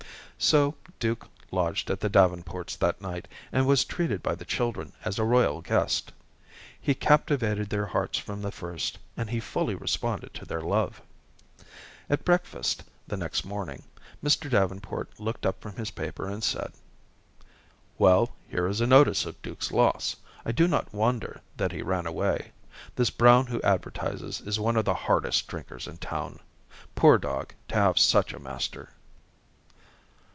So Duke lodged at the Davenports that night, and was treated by the children as a royal guest. He captivated their hearts from the first, and he fully responded to their love. At breakfast the next morning, Mr. Davenport looked up from his paper and said: "Well, here is a notice of Duke's loss. I do not wonder that he ran away. This Brown who advertises is one of the hardest drinkers in town. Poor dog, to have such a master."